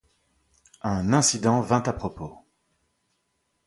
Un incident vint à propos.